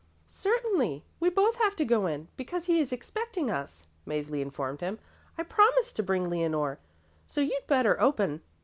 "Certainly. We both have to go in, because he is expecting us," Mäzli informed him. "I promised to bring Leonore, so you'd better open."